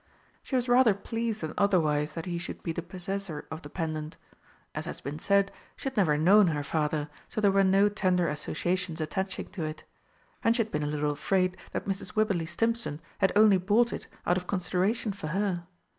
She was rather pleased than otherwise that he should be the possessor of the pendant. As has been said, she had never known her father, so there were no tender associations attaching to it. And she had been a little afraid that Mrs. Wibberley Stimpson had only bought it out of consideration for her.